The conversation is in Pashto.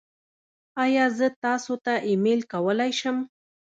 ایا زه تاسو ته ایمیل کولی شم؟